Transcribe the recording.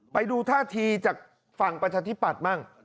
ไปดูท่าทีจากฝั่งประชาธิปัตย์บ้าง